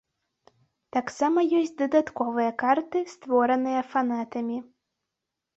Таксама ёсць дадатковыя карты, створаныя фанатамі.